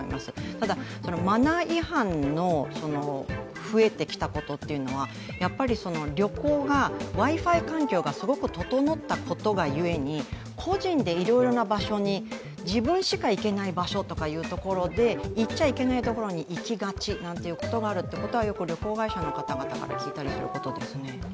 ただマナー違反の増えてきたことっていうのは旅行が、Ｗｉ−Ｆｉ環境がすごく整ったがゆえに個人でいろいろな場所に自分しか行けない場所というところで行っちゃいけないところに行きがちなんてことがあると旅行会社の方から聞いたりすることですね。